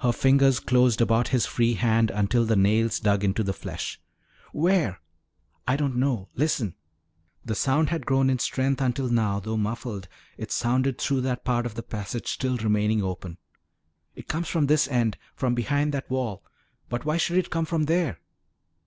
Her fingers closed about his free hand until the nails dug into the flesh. "Where?" "I don't know. Listen!" The sound had grown in strength until now, though muffled, it sounded through that part of the passage still remaining open. "It comes from this end. From behind that wall. But why should it come from there?"